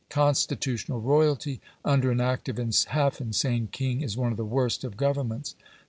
Constitutional royalty under an active and half insane king is one of the worst of Governments.